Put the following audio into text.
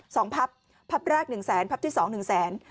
พับพับแรกหนึ่งแสนพับที่สองหนึ่งแสน